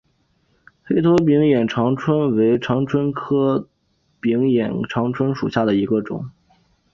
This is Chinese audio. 黑头柄眼长蝽为长蝽科柄眼长蝽属下的一个种。